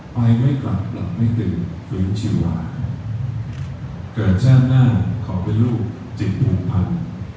ไปไม่กลับหลับไม่ตื่นฟื้นชีวาเกิดแช่งหน้าขอเป็นลูกจิตภูมิพันธ์